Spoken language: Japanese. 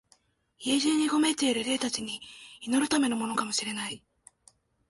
家中にうごめいている霊たちに祈るためのものかも知れない、